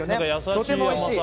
とてもおいしい。